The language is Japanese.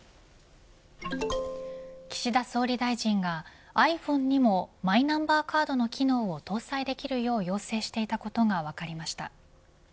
岸田総理大臣がｉＰｈｏｎｅにもマイナンバーカードの機能を搭載できるよう要請していたことが分かりました。